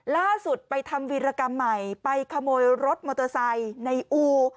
ล่าสุดไปทำวีรกรรมใหม่ไปขโมยรถมอเตอร์ไซค์ในอู